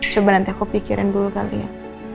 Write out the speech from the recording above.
coba nanti aku pikirin dulu kali ya